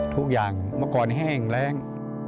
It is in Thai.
ทุกอย่างเมื่อก่อนแห้งแรง